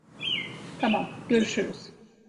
Tamam, görüşürüz.